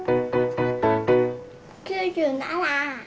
９７！